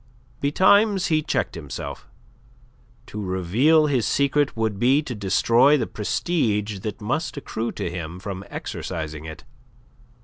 Betimes he checked himself. To reveal his secret would be to destroy the prestige that must accrue to him from exercising it.